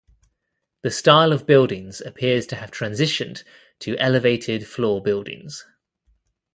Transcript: The style of buildings appears to have transitioned to elevated floor buildings.